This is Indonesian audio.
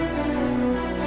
jangan cepatlah kembali